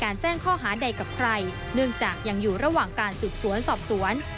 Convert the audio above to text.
ระหว่างการสูบสวนสอบสวน